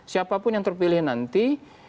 siapapun yang terpilih nanti